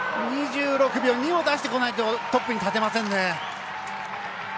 ２６秒２を出してこないとトップに立てません。